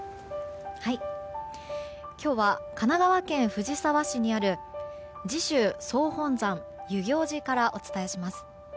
今日は神奈川県藤沢市にある時宗総本山遊行寺からお伝えします。